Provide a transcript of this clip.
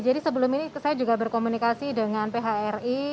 jadi sebelum ini saya juga berkomunikasi dengan phri